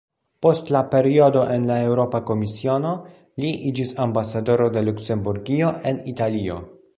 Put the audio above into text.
Post la periodo en la Eŭropa Komisiono, li iĝis ambasadoro de Luksemburgio en Italio.